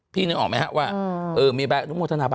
นึกออกไหมครับว่ามีใบอนุโมทนาบ